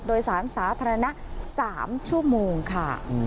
โดยสารสาธารณะ๓ชั่วโมงค่ะ